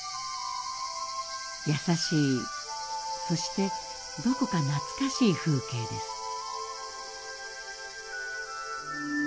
優しいそしてどこか懐かしい風景です。